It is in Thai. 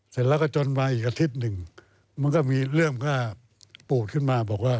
เสร็จแล้วก็จนมาอีกอาทิตย์หนึ่งมันก็มีเรื่องก็ปูดขึ้นมาบอกว่า